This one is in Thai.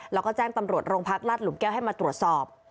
แล้วก็แจ้งตำรวจโรงพักรัฐหลุมแก้วให้มาตรวจสอบ